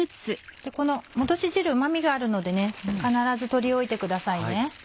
この戻し汁うま味があるので必ず取り置いてください。